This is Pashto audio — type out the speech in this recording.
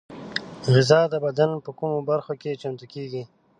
غذا د بدن په کومو برخو کې چمتو کېږي؟